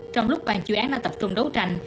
trong lúc bàn chuyên án đã tập trung đấu tranh